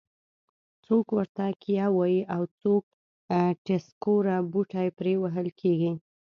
څوک ورته کیه وایي او څوک ټسکوره. بوټي پرې وهل کېږي.